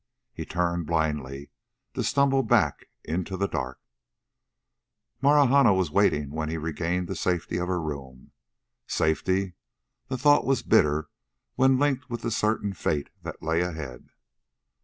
He turned blindly, to stumble back into the dark. Marahna was waiting when he regained the safety of her room. "Safety!" The thought was bitter when linked with the certain fate that lay ahead.